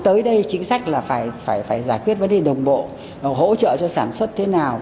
tới đây chính sách là phải giải quyết vấn đề đồng bộ hỗ trợ cho sản xuất thế nào